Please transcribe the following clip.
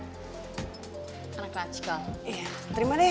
hai anak natsikal terima deh